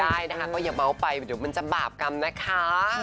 ไปคิดแบบนั้นได้นะคะก็อย่าเม้าท์ไปเดี๋ยวมันจะบาปกรรมนะคะ